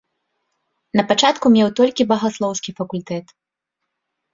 Напачатку меў толькі багаслоўскі факультэт.